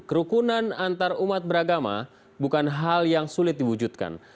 kerukunan antarumat beragama bukan hal yang sulit diwujudkan